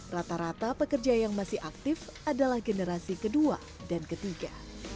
rata rata pekerja yang masih aktif adalah generasi kedua dan ketiga